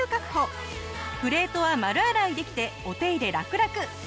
プレートは丸洗いできてお手入れラクラク。